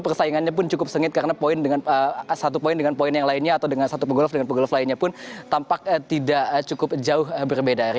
persaingannya pun cukup sengit karena satu poin dengan poin yang lainnya atau dengan satu pegolof dengan pegolof lainnya pun tampak tidak cukup jauh berbeda